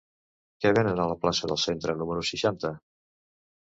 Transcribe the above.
Què venen a la plaça del Centre número seixanta?